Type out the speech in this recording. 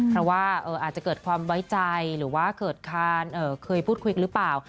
เพราะว่าอาจจะเกิดความไว้ใจหรือว่าเกิดคาญเคยพูดคุยหรือเปล่า